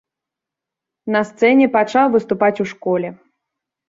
На сцэне пачаў выступаць у школе.